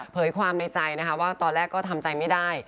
เผยความในใจว่าตอนแรกก็ทำใจไม่ได้